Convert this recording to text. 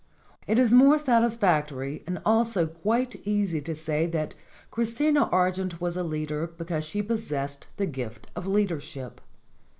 It is more satisfactory and also quite easy to say that Christina Argent was a leader because she pos sessed the gift of leadership.